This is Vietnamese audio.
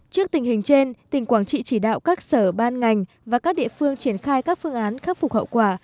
trước tình hình trên tỉnh quảng trị chỉ đạo các sở ban ngành và các địa phương triển khai các phương án khắc phục hậu quả